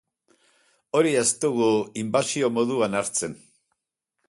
Hori ez dugu inbasio moduan hartzen.